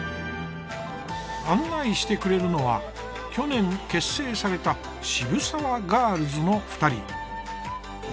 案内してくれるのは去年結成されたしぶさわガールズの２人。